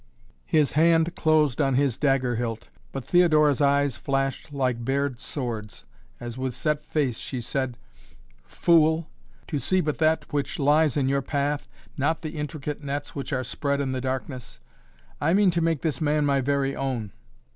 His hand closed on his dagger hilt, but Theodora's eyes flashed like bared swords as with set face she said: "Fool! to see but that which lies in your path, not the intricate nets which are spread in the darkness. I mean to make this man my very own!